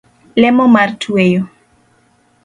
Lemo mar tweyo